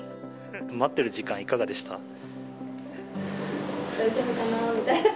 待ってる時間、いかがでした？